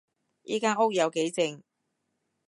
依間屋有幾靜